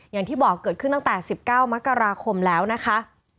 อย่างที่บอกเกิดขึ้นตั้งแต่๑๙มกราคมแล้วนะคะ